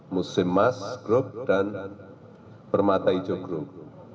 musemas group dan permata ijo group